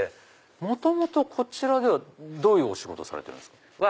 元々こちらではどういうお仕事されてるんですか？